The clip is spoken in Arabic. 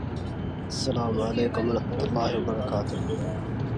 خرج سامي من الدّوش.